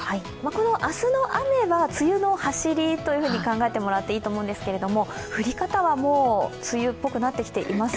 この明日の雨の梅雨の走りというふうに考えてもらっていいんですが降り方はもう梅雨っぽくなってきています。